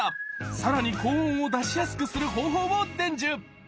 更に高音を出しやすくする方法を伝授！